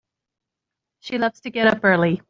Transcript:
She loves to get up early.